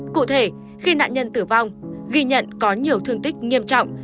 cụ thể khi nạn nhân tử vong ghi nhận có nhiều thương tích nghiêm trọng